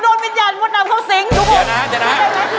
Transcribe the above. หนูโดนวิญญาณมุดนำเขาสิงทุกคนเดี๋ยวนะฮะเดี๋ยวนะฮะ